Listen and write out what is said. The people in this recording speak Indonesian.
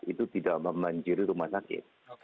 itu tidak memanjiri rumah sakit